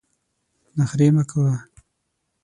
نخرې مه کوه !